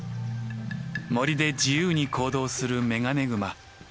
森で自由に行動するメガネグマ。